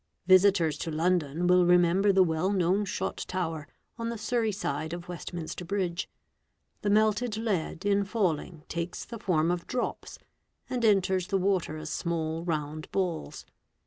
Visitors to London will remember the well known shot tower on the Surrey side i of Westminister Bridge. The melted lead in falling takes the form of drops, and enters the water as small round balls.